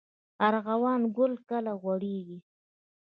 ارغوان ګل کله غوړیږي؟